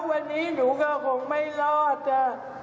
วันนี้หนูก็คงไม่รอดจ้ะ